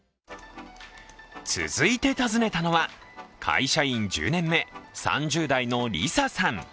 続いて訪ねたのは、会社員１０年目、３０代のりささん。